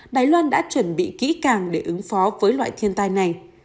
đài loan đã chuẩn bị kỹ càng để ứng phó với loại thiên tai này